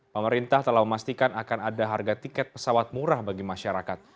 pemerintah telah memastikan akan ada harga tiket pesawat murah bagi masyarakat